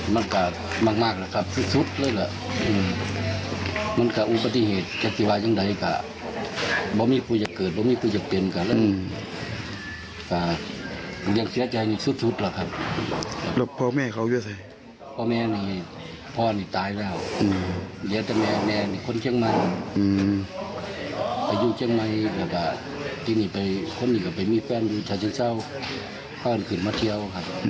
แม่คนเชียงใหม่อายุเชียงใหม่คนอื่นก็ไปมีแฟนดูฉะเชิงเศร้าพันธุ์คืนมาเที่ยว